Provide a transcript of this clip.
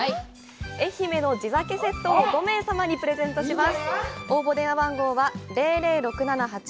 愛媛の地酒セットを５名様にプレゼントします。